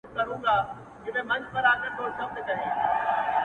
دومره حيا مه كوه مړ به مي كړې.